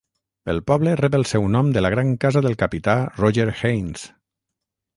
El poble rep el seu nom de la gran casa del capità Roger Haynes.